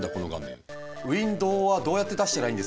ウィンドウはどうやって出したらいいんですか？